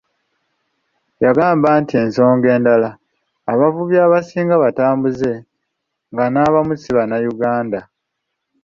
Yagambye nti ensonga endala, abavubi abasinga batambuze nga n'abamu ssi bannayuganda.